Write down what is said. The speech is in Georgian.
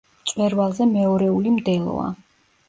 მწვერვალზე მეორეული მდელოა.